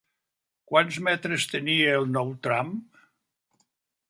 Quants metres tenia el nou tram?